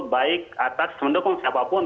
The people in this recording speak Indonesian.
baik atas mendukung siapapun